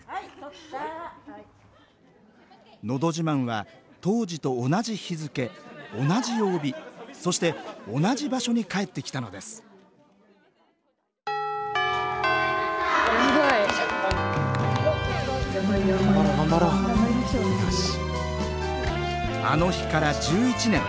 「のど自慢」は当時と同じ日付同じ曜日そして同じ場所に帰ってきたのですあの日から１１年。